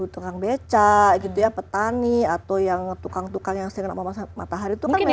tukang beca gitu ya petani atau yang tukang tukang yang sering nampak matahari itu kan memang